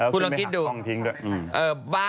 คุณลองคิดดู